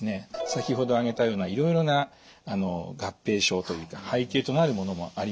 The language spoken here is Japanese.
先ほど挙げたようないろいろな合併症というか背景となるものもあります。